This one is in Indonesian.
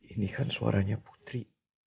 ini kan suaranya putri